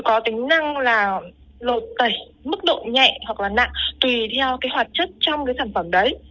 có tính năng là lột tẩy mức độ nhẹ hoặc là nặng tùy theo cái hoạt chất trong cái sản phẩm đấy